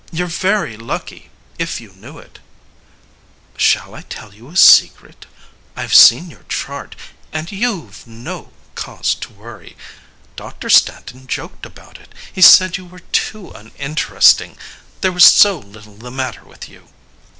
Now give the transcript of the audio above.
You re very lucky, if you knew it. (Lowering her voice.} Shall I tell you a secret ? I ve seen your chart and you ve no cause to worry. Doctor Stanton joked about it. He said you were too uninteresting there was so little the matter with you.